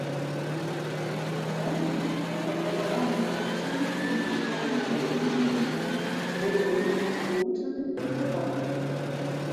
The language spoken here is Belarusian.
Грані раскрапаваны арачнымі і лучковымі вокнамі і нішамі, вуглы вылучаны лапаткамі.